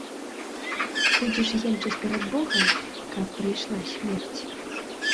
Будзеш енчыць перад богам, каб прыйшла смерць.